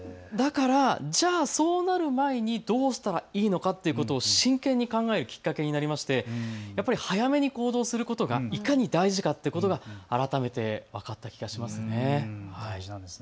じゃあ、そうなる前にどうしたらいいのかということを真剣に考えるきっかけになりましてやっぱり早めに行動することがいかに大事かということが改めて分かった気がします。